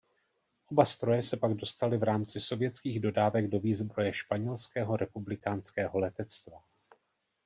Oba stroje se pak dostaly v rámci sovětských dodávek do výzbroje španělského republikánského letectva.